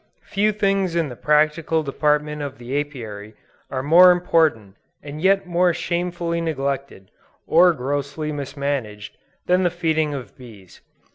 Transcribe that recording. Few things in the practical department of the Apiary, are more important and yet more shamefully neglected, or grossly mismanaged, than the feeding of bees.